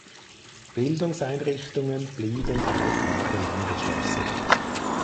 Bildungseinrichtungen blieben drei Tage lang geschlossen.